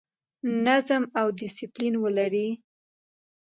نظم او ډیسپلین ولرئ